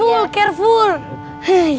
oke kita pergi